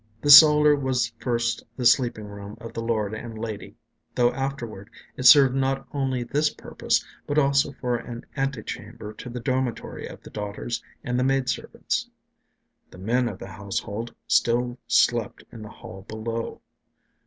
The solar was first the sleeping room of the lord and lady; though afterward it served not only this purpose, but also for an ante chamber to the dormitory of the daughters and the maid servants. The men of the household still slept in the hall below.